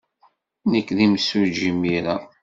Nekk d imsujji imir-a.